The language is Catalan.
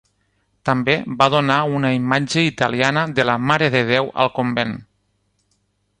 També va donar una imatge italiana de la Marededeu al convent.